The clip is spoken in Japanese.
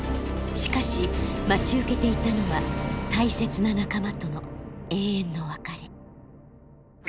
しかし待ち受けていたのは大切な仲間との永遠の別れ。